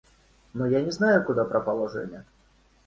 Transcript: – Но я не знаю, куда пропала Женя.